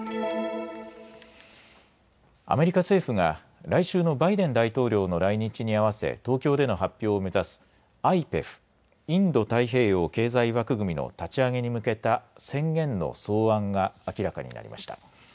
アメリカ政府が来週のバイデン大統領の来日にあわせ東京での発表を目指すＩＰＥＦ・インド太平洋経済枠組みの立ち上げに向けた宣言の草案が明らかになりました。